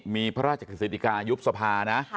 มีพระราชกฤษฎิกายุบสภานะ